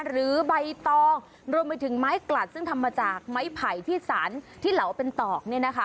หรือใบตองรวมไปถึงไม้กลัดซึ่งทำมาจากไม้ไผ่ที่สรรที่เหลาเป็นตอกเนี่ยนะคะ